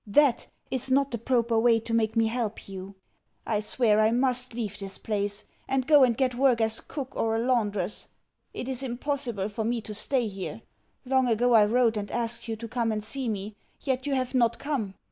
THAT is not the proper way to make me help you. I swear that I MUST leave this place, and go and get work as a cook or a laundress. It is impossible for me to stay here. Long ago I wrote and asked you to come and see me, yet you have not come.